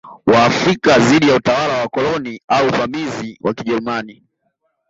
Waafrika dhidi ya utawala wa wakoloni au wavamizi wa Kijerumani